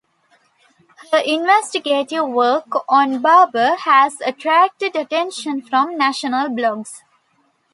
Her investigative work on Barbour has attracted attention from national blogs.